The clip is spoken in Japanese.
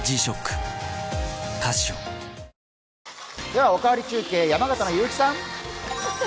では、おかわり中継、山形の結城さん。